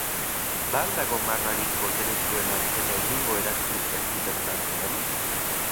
Ba al dago marrarik boteretsuenak eta inongo eraginik ez dutenen artean?